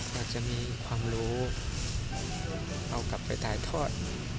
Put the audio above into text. อาจจะมีความรู้เอากลับไปถ่ายทอด